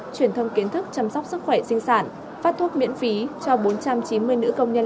truyền thông kiến thức chăm sóc sức khỏe sinh sản phát thuốc miễn phí cho bốn trăm chín mươi nữ công nhân